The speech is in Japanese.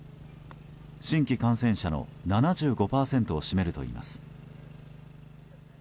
新規感染者の７５％を占めるといいます。